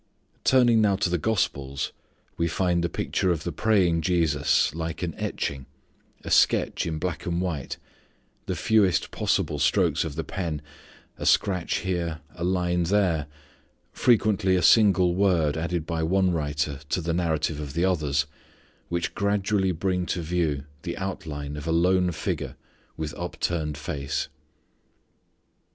Turning now to the gospels, we find the picture of the praying Jesus like an etching, a sketch in black and white, the fewest possible strokes of the pen, a scratch here, a line there, frequently a single word added by one writer to the narrative of the others, which gradually bring to view the outline of a lone figure with upturned face.